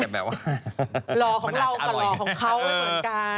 หล่อของเรากับหล่อของเขา๐๐๑